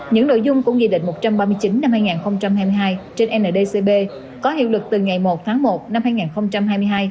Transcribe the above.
những nội dung của nghị định một trăm ba mươi chín năm hai nghìn hai mươi hai trên ndcp có hiệu lực từ ngày một tháng một năm hai nghìn hai mươi hai